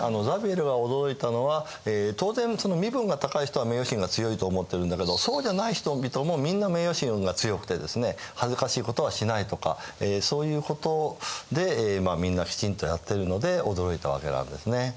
ザビエルが驚いたのは当然身分が高い人は名誉心が強いと思ってるんだけどそうじゃない人々もみんな名誉心が強くてですね恥ずかしいことはしないとかそういうことでみんなきちんとやってるので驚いたわけなんですね。